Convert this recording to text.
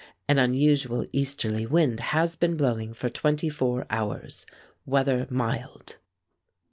An unusual easterly wind has been blowing for twenty four hours. Weather mild.